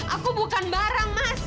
aku bukan barang mas